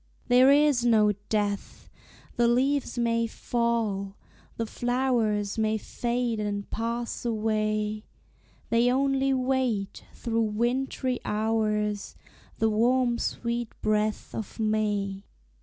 There is no death! the leaves may fall. The flowers may fade and pass away They only wait, through wintry hours, The warm sweet breath of May.